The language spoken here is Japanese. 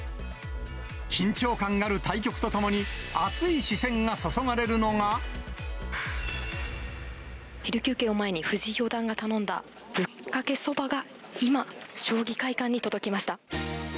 緊張感ある対局とともに、昼休憩を前に、藤井四段が頼んだぶっかけそばが今、将棋会館に届きました。